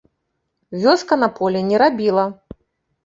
Вёска на полі не рабіла.